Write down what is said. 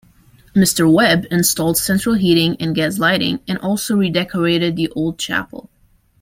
Mr Webb installed central heating and gas lighting and also redecorated the old chapel.